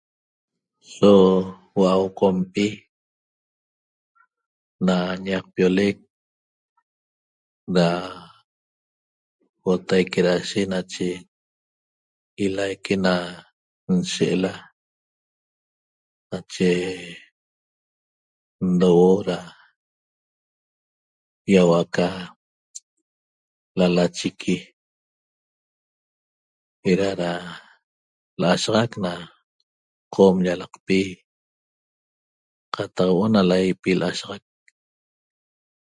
So hua'au Qompi na ñaqpiolec da huotaique da'ashe nache ilaique na nshe'ela nache ndouo da ýahuo'o aca lalachiqui eda da l'shaxac na Qom llalaqpi qataq huo'o na la'yipi l'shaxac